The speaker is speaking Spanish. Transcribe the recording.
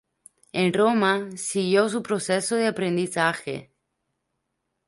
En Roma, siguió su proceso de aprendizaje.